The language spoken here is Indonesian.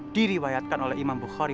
diriwayatkan oleh imam bukhari